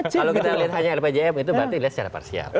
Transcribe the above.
kalau kita lihat hanya rpjmn itu berarti secara parsial